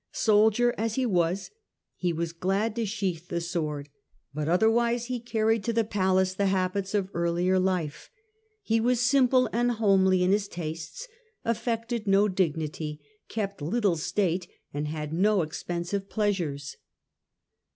.Soldier as he was, he was glad to sheathe the sword; but otherwise he 150 The Earlier Empire, a . d . 69 79 carried to the palace the habits of earlier life. He was simple and homely in his tastes, affected no dignity, kept little state, and had no expensive pleasure s.